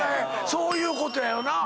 そういうことやろな。